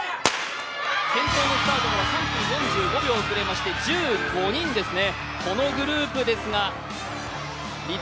先頭のスタートから３分４５秒遅れまして１５人ですね。